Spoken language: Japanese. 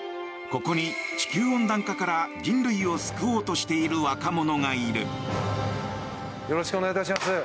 ここに地球温暖化から人類を救おうとしている若者がいる。